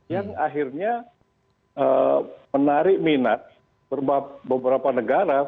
yang akhirnya menarik minat beberapa negara